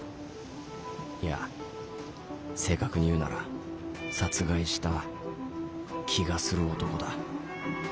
いや正確に言うなら殺害した気がする男だ。